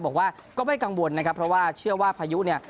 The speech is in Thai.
บอกว่าก็ไม่กังวลนะครับเพราะว่าเชื่อว่าพายุเนี่ย